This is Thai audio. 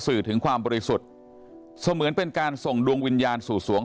สื่อถึงความบริสุทธิ์เสมือนเป็นการส่งดวงวิญญาณสู่สวง